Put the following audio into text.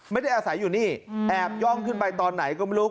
ไม่ได้อาศัยอยู่นี่แอบย่องขึ้นไปตอนไหนก็ไม่รู้